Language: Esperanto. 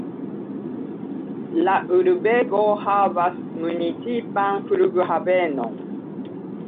La urbego havas municipan flughavenon.